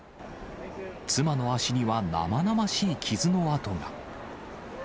妻の足には生々しい傷の痕が。